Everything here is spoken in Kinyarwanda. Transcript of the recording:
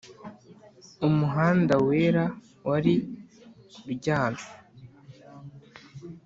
umuhanda wera wari uryamye.